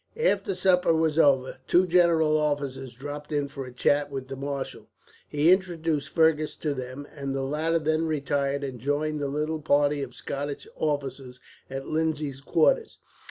After supper was over, two general officers dropped in for a chat with the marshal. He introduced Fergus to them, and the latter then retired and joined the little party of Scottish officers at Lindsay's quarters.